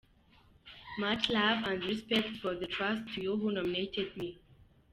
Much love and respect for the trust to you who nominated me.